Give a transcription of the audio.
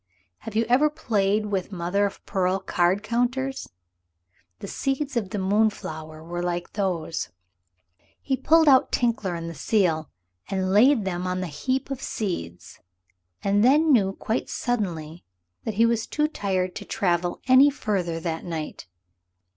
Have you ever played with mother of pearl card counters? The seeds of the moonflower were like those. He pulled out Tinkler and the seal and laid them on the heap of seeds. And then knew quite suddenly that he was too tired to travel any further that night.